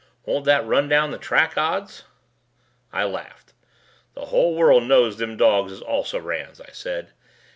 Won't that run down the track odds?" I laughed. "The whole world knows them dogs as also rans," I said.